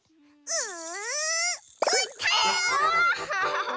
うん。